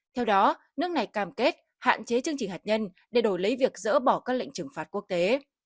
theo đó nước này cam kết hạn chế chương trình hạt nhân để đổi lấy việc dỡ bỏ các lệnh trừng phạt quốc tế